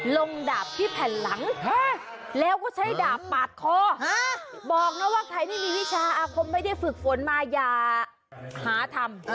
ดาบที่แผ่นหลังแล้วก็ใช้ดาบปาดคอบอกนะว่าใครไม่มีวิชาอาคมไม่ได้ฝึกฝนมาอย่าหาทำ